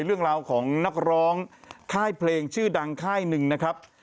เรื่องราวของนักร้องค่ายเพลงชื่อดังค่ายหนึ่งนะครับ